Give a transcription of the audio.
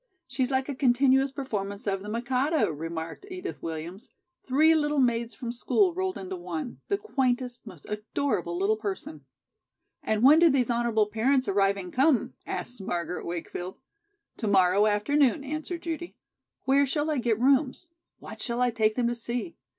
"She's like a continuous performance of 'The Mikado,'" remarked Edith Williams. "Three little maids from school rolled into one, the quaintest, most adorable little person." "And when do these honorable parents arriving come?" asked Margaret Wakefield. "To morrow afternoon," answered Judy. "Where shall I get rooms? What shall I take them to see?